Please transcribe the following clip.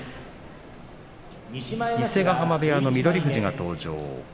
伊勢ヶ濱部屋の翠富士が登場です。